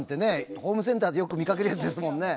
ホームセンターでよく見かけるやつですもんね。